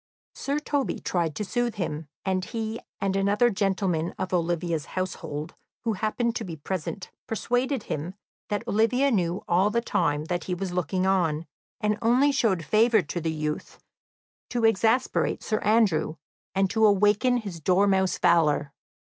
Sir Toby tried to soothe him, and he and another gentleman of Olivia's household who happened to be present persuaded him that Olivia knew all the time that he was looking on, and only showed favour to the youth to exasperate Sir Andrew and to awaken his dormouse valour.